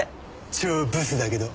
超ブスだけど。